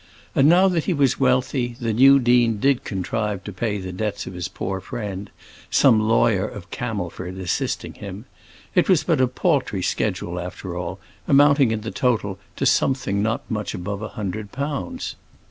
And now that he was wealthy, the new dean did contrive to pay the debts of his poor friend, some lawyer of Camelford assisting him. It was but a paltry schedule after all, amounting in the total to something not much above a hundred pounds.